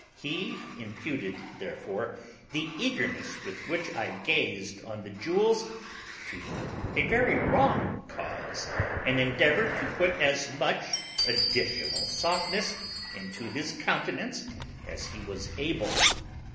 He imputed, therefore, the eagerness with which I gazed on the jewels to a very wrong cause, and endeavoured to put as much additional softness into his countenance as he was able.